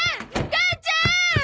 母ちゃん！